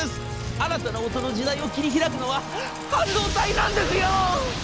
新たな音の時代を切り開くのは半導体なんですよぉ！』。